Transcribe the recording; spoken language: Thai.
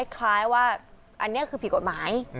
คล้ายว่าอันนี้คือผิดกฎหมาย